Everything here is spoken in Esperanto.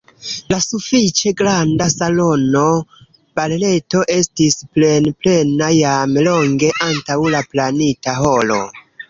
La sufiĉe granda salono Barreto estis plenplena jam longe antaŭ la planita horo.